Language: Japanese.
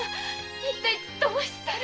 一体どうしたら？